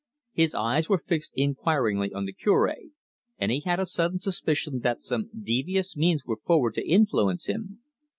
His eyes were fixed inquiringly on the Cure, and he had a sudden suspicion that some devious means were forward to influence him.